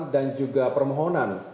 dan juga permohonan